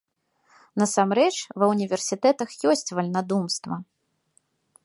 Насамрэч, ва ўніверсітэтах ёсць вальнадумства.